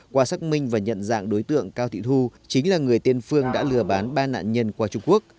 qua xác minh và nhận dạng đối tượng cao thị thu chính là người tiên phương đã lừa bán ba nạn nhân qua trung quốc